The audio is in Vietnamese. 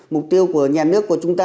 mục tiêu của nhà nước của chúng ta